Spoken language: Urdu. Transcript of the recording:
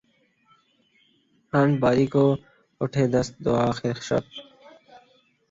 حمد باری کو اٹھے دست دعا آخر شب